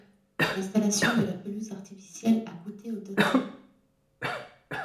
L'installation de la pelouse artificielle a coûté au total.